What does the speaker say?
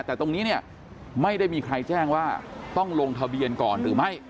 แต่ตรงนี้เนี่ยไม่ได้มีใครแจ้งว่าต้องลงทะเบียนก่อนหรือไม่